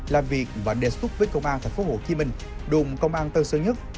làm việc và đề xuất với công an tp hcm đồn công an tân sơn nhất